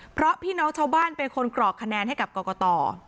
เพราะพี่น้องชาวบ้านเป็นคนกรอกคะแนนให้กับกรกต